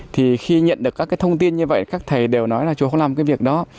thì khi nhận được các cái thông tin như vậy các thầy đều nói là trường có làm cái việc đó